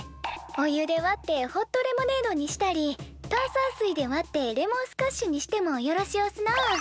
お湯で割ってホットレモネードにしたり炭酸水で割ってレモンスカッシュにしてもよろしおすなあ。